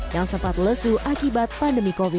yang sempat lesu akibat pandemi covid sembilan belas